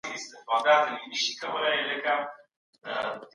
سهار وختي پاڅېدل د روغتیا لپاره ښه دي.